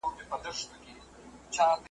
که ټولنه پېچلې وي، نو پايله ستونزمنه وي.